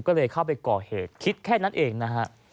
ก็เลยเข้าไปก่อเหตุคิดแค่นั้นเองนะฮะ